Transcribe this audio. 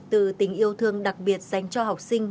từ tình yêu thương đặc biệt dành cho học sinh